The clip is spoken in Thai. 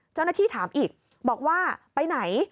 เจ้าหน้าที่ถามอีกบอกว่าไปไหน